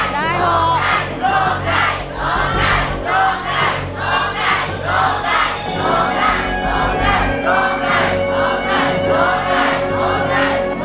โลกได้โลกได้โลกได้